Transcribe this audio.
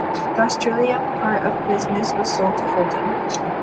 The Australian part of the business was sold to Holden.